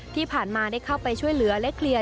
ที่ผ่านมาได้เข้าไปช่วยเหลือและเคลียร์